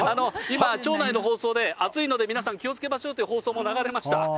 今、町内の放送で、暑いので、皆さん気をつけましょうという放送も流れました。